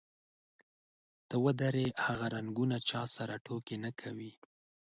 ته ودرې، هغه رنګونه چا سره ټوکې نه کوي.